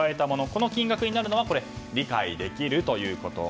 この金額になるのは理解できるということ。